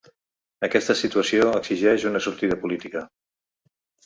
Aquesta situació exigeix una sortida política.